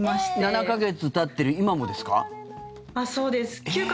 ７か月たってる今もですか？